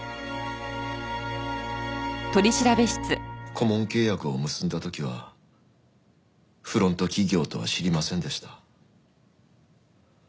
顧問契約を結んだ時はフロント企業とは知りませんでした。